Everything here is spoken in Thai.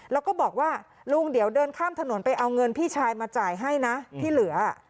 แล้วก็บอกว่าลุงเดี๋ยวเดินข้ามถนนไปเอาเงินพี่ชายมาจ่ายให้นะที่เหลือ